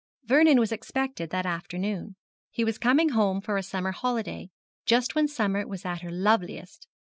Vernon was expected that afternoon. He was coming home for a summer holiday, just when summer was at her loveliest.